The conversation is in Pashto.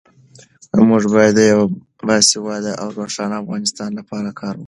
موږ باید د یو باسواده او روښانه افغانستان لپاره کار وکړو.